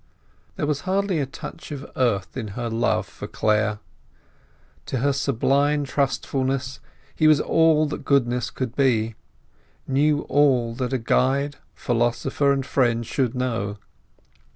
There was hardly a touch of earth in her love for Clare. To her sublime trustfulness he was all that goodness could be—knew all that a guide, philosopher, and friend should know.